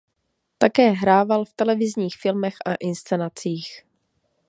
Také hrával v televizních filmech a inscenacích.